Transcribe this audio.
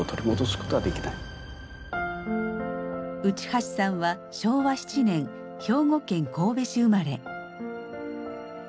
内橋さんは昭和７年兵庫県神戸市生まれ。